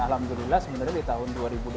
alhamdulillah sebenarnya di tahun dua ribu dua puluh